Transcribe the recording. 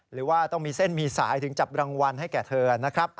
หรือว่าต้องมีเส้นมีสายถึงจับรางวัลให้แก่เธอนะครับ